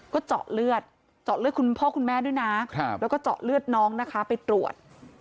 ก็เจาะเลือดเจาะเลือดคุณพ่อคุณแม่ด้วยนะแล้วก็เจาะเลือดน้องนะคะไปตรวจ